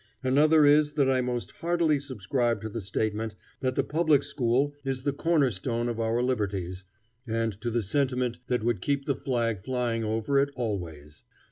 Another is that I most heartily subscribe to the statement that the public school is the corner stone of our liberties, and to the sentiment that would keep the flag flying over it always.